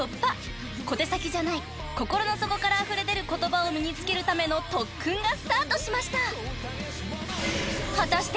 ［小手先じゃない心の底からあふれ出る言葉を身に付けるための特訓がスタートしました］